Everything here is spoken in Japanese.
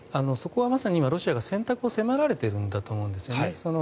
そこはまさにロシアが選択を迫られているんだと思います。